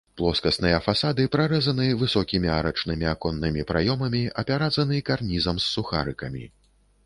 Плоскасныя фасады прарэзаны высокімі арачнымі аконнымі праёмамі, апяразаны карнізам з сухарыкамі.